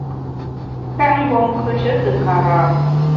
Pèt mgbom nkùeshe te kara’ !